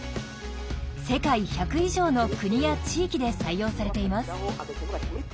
世界１００以上の国や地域で採用されています。